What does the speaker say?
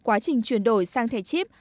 quá trình chuyển đổi sang thẻ chip